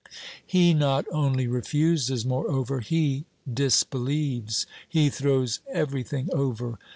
He not only refuses, moreover, he disbelieves; he throws everything over.